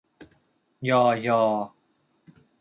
ญอ ยอ